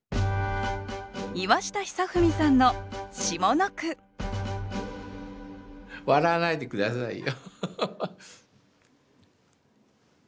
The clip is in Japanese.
岩下尚史さんの下の句笑わないで下さいよ。